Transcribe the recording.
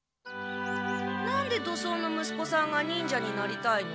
なんで土倉の息子さんが忍者になりたいの？